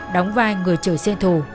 đóng vai người chở xe thù